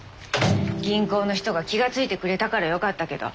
銀行の人が気が付いてくれたからよかったけど危うく